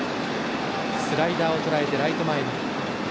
スライダーをとらえてライト前に。